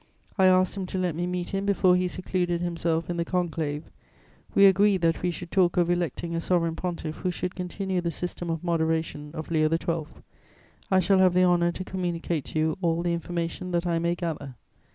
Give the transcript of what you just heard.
I asked him to let me meet him before he secluded himself in the Conclave. We agreed that we should talk of electing a sovereign pontiff who should continue the system of moderation of Leo XII. I shall have the honour to communicate to you all the information that I may gather.